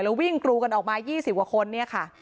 วิ่งกรูกันออกมา๒๐กว่าคนเนี่ยค่ะ